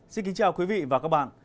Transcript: xin kính chào quý vị và các bạn